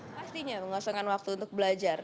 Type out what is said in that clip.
pastinya mengosongkan waktu untuk belajar